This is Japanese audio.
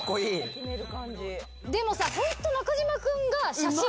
でもさホント中島君が写真。